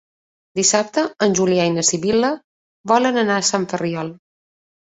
Dissabte en Julià i na Sibil·la volen anar a Sant Ferriol.